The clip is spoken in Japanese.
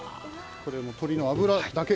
鳥の脂だけ。